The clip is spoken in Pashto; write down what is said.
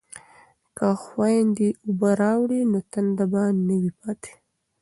که خویندې اوبه راوړي نو تنده به نه وي پاتې.